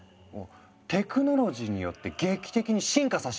テクノロジーによって劇的に進化させ